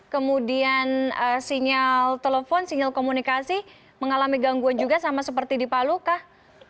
kemudian sinyal telepon sinyal komunikasi mengalami gangguan juga sama seperti di palu kah